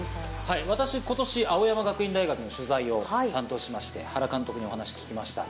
私、ことし、青山学院大学の取材を担当しまして、原監督にお話聞きました。